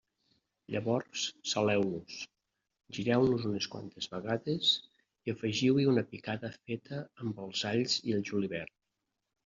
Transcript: Llavors saleu-los, gireu-los unes quantes vegades i afegiu-hi una picada feta amb els alls i el julivert.